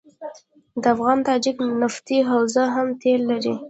د افغان تاجک نفتي حوزه هم تیل لري.